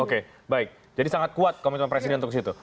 oke baik jadi sangat kuat komitmen presiden untuk ke situ